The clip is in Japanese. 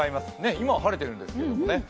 今は晴れているんですけれどもね。